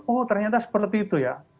oh ternyata seperti itu ya